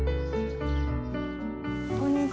こんにちは。